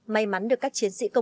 mày mắn được các chiến sĩ phân công